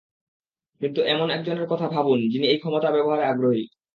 কিন্তু এমন একজনের কথা ভাবুন, যিনি এই ক্ষমতা ব্যবহারে আগ্রহী।